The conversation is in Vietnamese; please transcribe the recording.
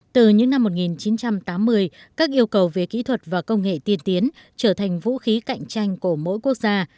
từ những năm một nghìn chín trăm tám mươi các yêu cầu về kỹ thuật và công nghệ tiên tiến trở thành vũ khí cạnh tranh của mỗi quốc gia